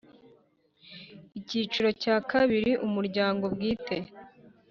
Icyiciro cya kabiri Umuryango bwite